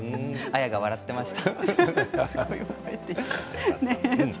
笑っていました。